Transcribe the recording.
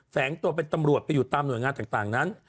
แฝงตัวเป็นตำรวจไปอยู่ตามหน่วยงานต่างนั้น